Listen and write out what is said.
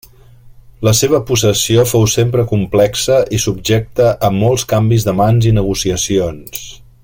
La seva possessió fou sempre complexa i subjecte a molts canvis de mans i negociacions.